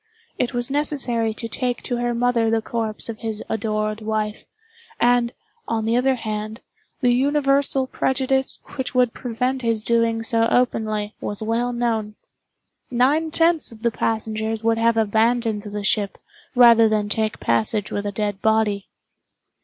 It was necessary to take to her mother the corpse of his adored wife, and, on the other hand, the universal prejudice which would prevent his doing so openly was well known. Nine tenths of the passengers would have abandoned the ship rather than take passage with a dead body.